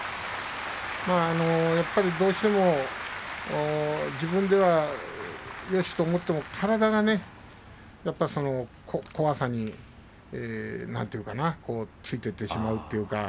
やっぱりどうしても自分ではよしと思っても体がね怖さについていってしまうというか。